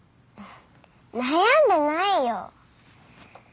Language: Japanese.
悩んでないよ。